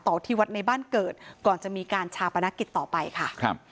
ที่วัดในบ้านเกิดก่อนจะมีการชาปนกิจต่อไปค่ะครับ